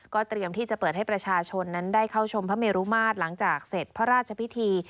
เตรียมที่จะเปิดให้ประชาชนนั้นได้เข้าชมพระเมรุมาตรหลังจากเสร็จพระราชพิธี